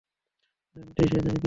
আর এমনেতেই সে জেনে কী করবে?